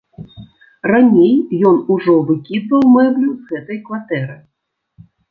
Раней ён ужо выкідваў мэблю з гэтай кватэры.